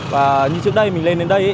và như trước đây mình lên đến đây